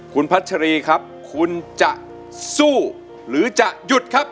คุณพัชรีครับคุณจะสู้หรือจะหยุดครับ